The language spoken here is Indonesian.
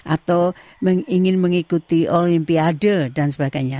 atau ingin mengikuti olimpiade dan sebagainya